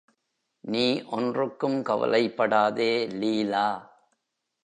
நீ ஒன்றுக்கும் கவலைப்படாதே லீலா.